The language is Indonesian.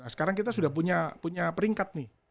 sekarang kita sudah punya peringkat nih